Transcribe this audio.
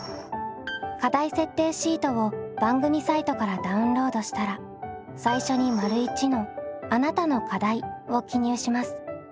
課題設定シートを番組サイトからダウンロードしたら最初に①の「あなたの課題」を記入します。